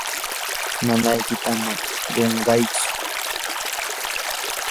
nanaykita ama qunqaychu.